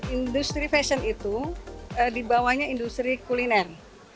industri fashion itu dibawahnya industri kuliner